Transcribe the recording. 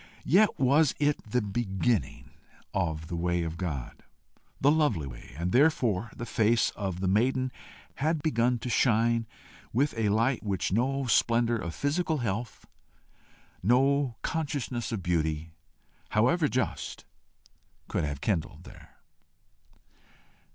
yet was it the beginning of the way of God, the lovely way, and therefore the face of the maiden had begun to shine with a light which no splendour of physical health, no consciousness of beauty, however just, could have kindled there.